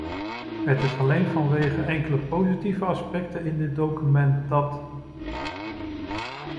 Het is alleen vanwege enkele positieve aspecten in dit document dat ...